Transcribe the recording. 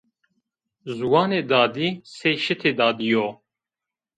Ziwanê dadî sey şitê dadî yo